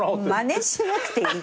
まねしなくていい。